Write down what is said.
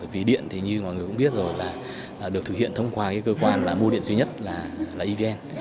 vì điện thì như mọi người cũng biết rồi là được thực hiện thông qua cái cơ quan là mua điện duy nhất là evn